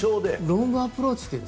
ロングアプローチ